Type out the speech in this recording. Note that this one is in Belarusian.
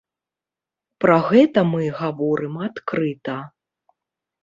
Пра гэта мы гаворым адкрыта.